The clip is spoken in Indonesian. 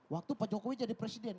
waktu pak jokowi jadi presiden